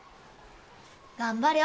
頑張れよ。